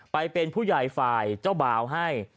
ไปเป็นผู้ใหญ่ฝ่ายเจ้าบ่าวให้